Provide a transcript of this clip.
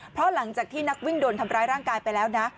เพราะหลังจากที่นักวิ่งโดนทำร้ายร่างกายไปแล้วนะ